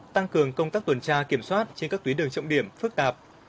tăng cường công tác tuần tra kiểm soát trên các tuyến đường trọng điểm phức tạp